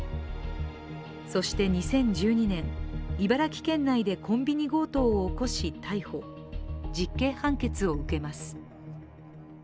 そして２０１２年、茨城県内でコンビニ強盗を起こし逮捕、実刑判決を受けます。